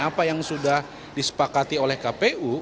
apa yang sudah disepakati oleh kpu